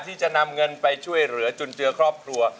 ที่จะนำเงินไปช่วยเหลือจุนเจือครอบครัว